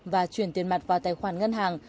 và chuyển tiền mặt vào tài khoản ngân hàng